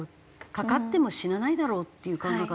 かかっても死なないだろうっていう考え方